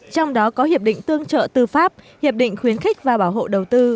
trong đó có hiệp định tương trợ tư pháp hiệp định khuyến khích và bảo hộ đầu tư